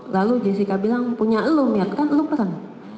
lalu jessica bilang punya elu mirna kan elu peran